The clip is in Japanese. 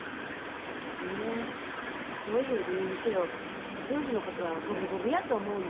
それにどういう理由にせよ夫婦のことは五分五分やと思うの。